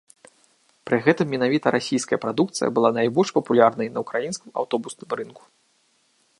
Пры гэтым менавіта расійская прадукцыя была найбольш папулярнай на ўкраінскім аўтобусным рынку.